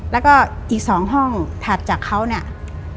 แล้วก็อีก๒ห้องถัดจากเขาเนี่ย